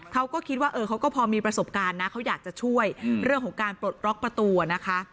เขาก็คิดว่าเออเขาก็พอมีประสบการณ์นะเขาอยากจะช่วยเรื่องของการปลดล็อกประตูนะคะ